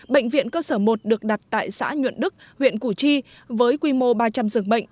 bệnh viện cơ sở một được đặt tại xã nhuận đức huyện củ chi với quy mô ba trăm linh giường bệnh